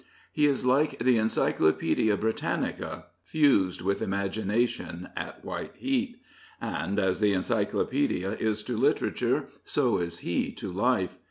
He is like the Encyclopcadia Britannica, fused with imagination at white heat. And as the Encyclopadia is to literature so is he to life.